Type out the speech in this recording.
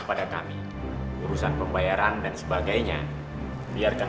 kita harus membantu dia bu